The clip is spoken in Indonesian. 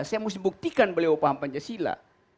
saya mesti buktikan beliau paham pancasila